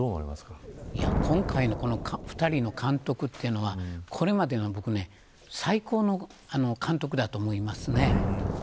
今回の２人の監督はこれまでで最高の監督だと思います。